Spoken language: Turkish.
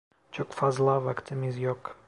Çok fazla vaktimiz yok.